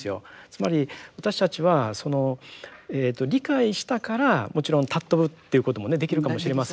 つまり私たちは理解したからもちろん尊ぶっていうこともねできるかもしれませんけども。